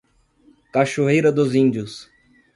Cachoeira dos Índios